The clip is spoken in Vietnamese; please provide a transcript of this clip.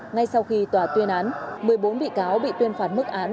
ngay sau khi tòa tuyên án một mươi bốn bị cáo bị tuyên phạt mức án